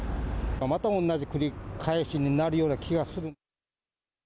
また同じ繰り返しになるような気がする。